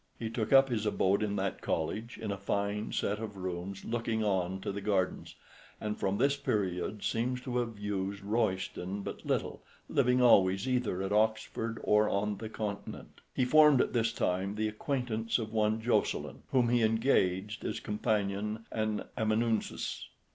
He took up his abode in that College in a fine set of rooms looking on to the gardens, and from this period seems to have used Royston but little, living always either at Oxford or on the Continent. He formed at this time the acquaintance of one Jocelyn, whom he engaged as companion and amanuensis.